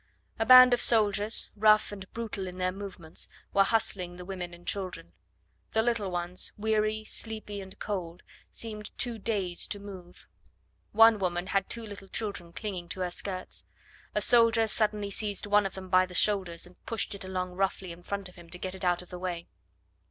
A band of soldiers, rough and brutal in their movements, were hustling the women and children. The little ones, weary, sleepy, and cold, seemed too dazed to move. One woman had two little children clinging to her skirts; a soldier suddenly seized one of them by the shoulders and pushed it along roughly in front of him to get it out of the way.